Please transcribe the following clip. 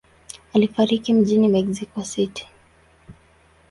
Alifariki mjini Mexico City.